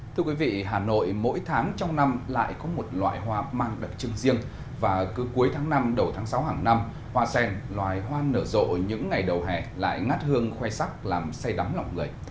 thưa quý vị hà nội mỗi tháng trong năm lại có một loại hoa mang đặc trưng riêng và cứ cuối tháng năm đầu tháng sáu hàng năm hoa sen loài hoa nở rộ những ngày đầu hè lại ngát hương khoe sắc làm say đắm lòng người